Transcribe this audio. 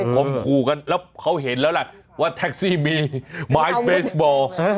คมคู่กันแล้วเขาเห็นแล้วล่ะว่าแท็กซี่มีไม้เบสบอล